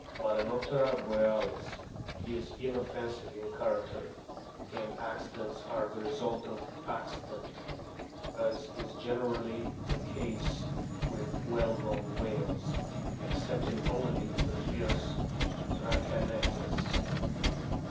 Balcenoptera borealis is inoffensive in character, and accidents are the result of " acci dent," as is generally the case with whalebone whales, excepting only the fierce Rhachianectes.